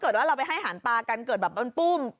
เกิดว่าเราไปให้หานะปลากันเกิดแบบปู้ม